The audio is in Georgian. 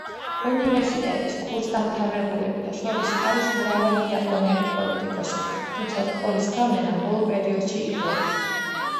უნივერსიტეტის კურსდამთავრებულთა შორის არის მრავალი იაპონელი პოლიტიკოსი, თუმცა სკოლის გავლენამ ბოლო პერიოდში იკლო.